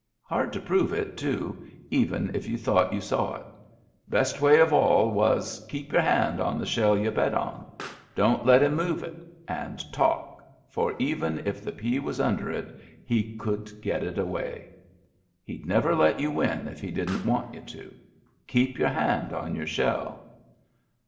Hard to prove it, too, even if you thought you saw it. Best way of all was, keep your hand on the shell you bet on. Don't let him move it and talk, for even if the pea was under it he could get it away. He'd never let you win if he didn't want you to. Keep your hand on your shell."